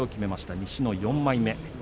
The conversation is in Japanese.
西の４枚目。